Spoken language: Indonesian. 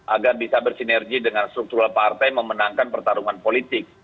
agar bisa bersinergi dengan struktural partai memenangkan pertarungan politik